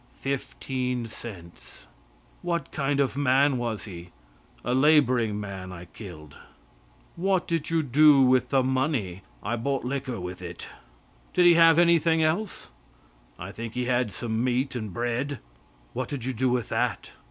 "Fifteen cents." "What kind of a man was he?" "A laboring man I killed." "What did you do with the money?" "I bought liquor with it." "Did he have anything else?" "I think he had some meat and bread." "What did you do with that?"